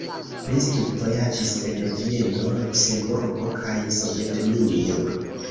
Li studvojaĝis en Vieno, Luksemburgo kaj Sovetunio.